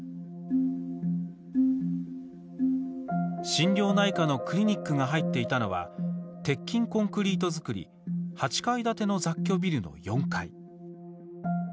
心療内科のクリニックが入っていたのは鉄筋コンクリート造り８階建ての雑居ビルの４階。